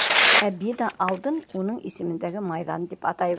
Ә бина алдын уның исемендәге майҙан тип атайбыҙ.